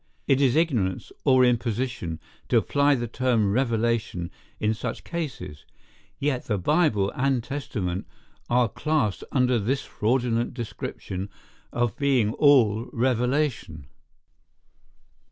It is ignorance, or imposition, to apply the term revelation in such cases; yet the Bible and Testament are classed under this fraudulent description of being all revelation.